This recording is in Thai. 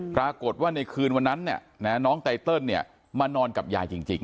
ปรากฏว่าในคืนวันนั้นน้องไตเติลมานอนกับยายจริง